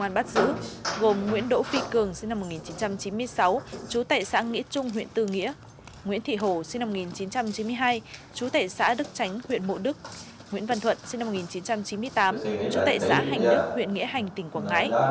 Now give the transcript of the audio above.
nguyễn văn thuận sinh năm một nghìn chín trăm chín mươi tám chú tệ xã hành đức huyện nghĩa hành tỉnh quảng ngãi